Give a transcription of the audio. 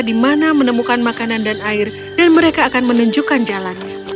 di mana menemukan makanan dan air dan mereka akan menunjukkan jalannya